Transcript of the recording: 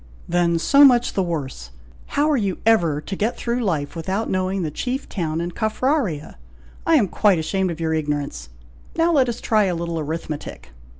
"Then so much the worse! how are you ever to get through life without knowing the chief town in Caffraria! I am quite ashamed of your ignorance. Now let us try a little arithmetic!